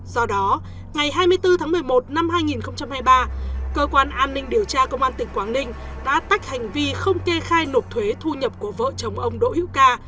do đó ngày hai mươi bốn tháng một mươi một năm hai nghìn hai mươi ba cơ quan an ninh điều tra công an tỉnh quảng ninh đã tách hành vi không kê khai nộp thuế thu nhập của vợ chồng ông đỗ hữu ca